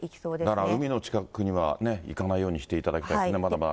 だから海の近くには行かないようにしていただきたいですね。